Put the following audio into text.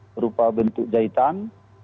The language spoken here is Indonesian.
berupa bentuk jahitan